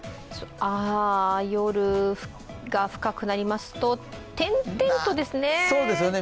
夜深くなりますと、点々とですね